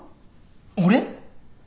俺？